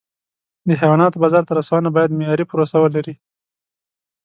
د حیواناتو بازار ته رسونه باید معیاري پروسه ولري.